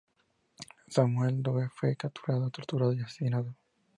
Samuel Doe fue capturado, torturado y asesinado.